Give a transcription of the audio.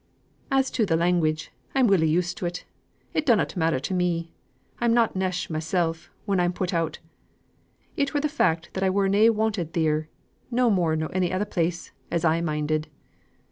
"As to th' language, I'm welly used to it; it dunnot matter to me. I'm not nesh mysel' when I'm put out. It were th' fact that I were na wanted theer, no more nor ony other place, as I minded."